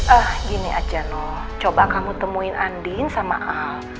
ah gini aja no coba kamu temuin andin sama a